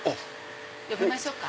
呼びましょうか。